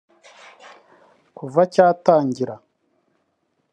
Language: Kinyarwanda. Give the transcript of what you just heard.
Kuva cyatangira